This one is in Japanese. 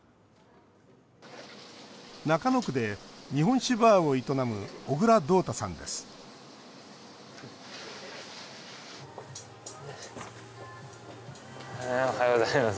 中野区で日本酒バーを営む小椋道太さんですおはようございます。